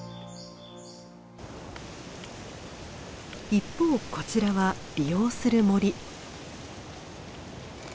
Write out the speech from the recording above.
一方こちらは利用する森。